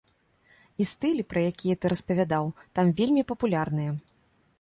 І стылі, пра якія ты распавядаў, там вельмі папулярныя.